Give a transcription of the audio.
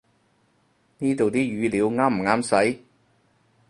呢度啲語料啱唔啱使